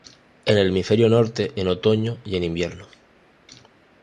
En el hemisferio norte en otoño y en Invierno.